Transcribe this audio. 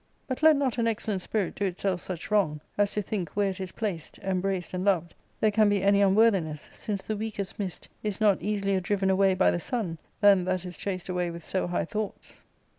But let not an excellent spirit do itself such wrong as to think where it is placed, embraced, and loved there can be any unworthiness, since the weakest mist is not easilier driven away by the sun than that is chased / away with so high thoughts.'